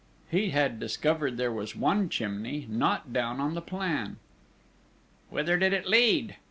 He had discovered there was one chimney not down on the plan: "Whither did it lead?"